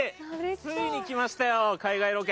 ついに来ましたよ、海外ロケ。